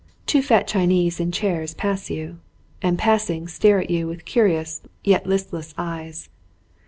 Two fat Chinese in chairs pass you, and passing stare at you with curious yet listless 86 THE a O AD eyes.